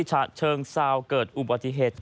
ชะเชิงซาวเกิดอุปถิเหตุ